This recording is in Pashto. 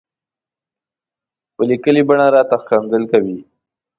په ليکلې بڼه راته ښکنځل کوي.